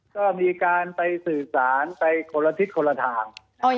ก็มีการไปสื่อสารไปคนละทิศคนละทาง